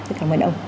rất cảm ơn ông